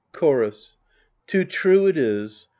Chorus Too true it is